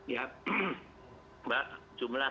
ya mbak jumlah